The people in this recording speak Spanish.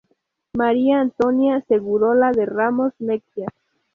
María Antonia Segurola de Ramos Mexía.